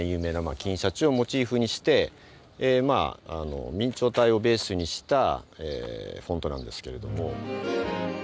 金シャチをモチーフにしてえまああの明朝体をベースにしたえフォントなんですけれども。